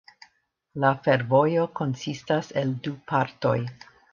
La fervojo konsistas el du partoj.